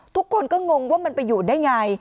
ทุกคนก็งงว่ามันไปอยู่ได้ไง